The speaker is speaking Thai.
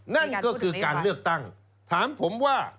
ในช่วงการเลือกตั้งถามผมว่า